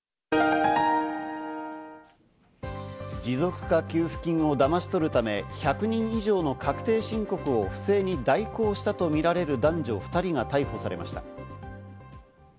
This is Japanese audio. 持続化給付金をだまし取るため、１００人以上の確定申告を不正に代行したとみられる男女２人が逮捕されました。